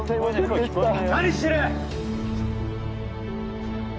何してる！